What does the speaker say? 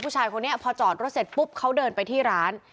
ผู้ชายคนนี้พอจอดรถเสร็จปุ๊บเขาเดินไปที่ร้าน